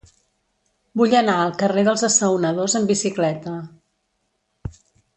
Vull anar al carrer dels Assaonadors amb bicicleta.